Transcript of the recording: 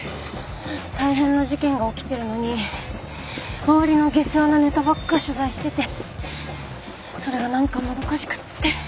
大変な事件が起きてるのに周りの下世話なネタばっか取材しててそれがなんかもどかしくって。